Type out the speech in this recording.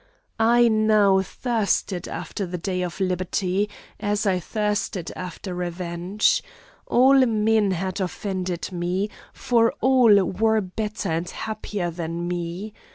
"I now thirsted after the day of liberty, as I thirsted after revenge. All men had offended me, for all were better and happier than me.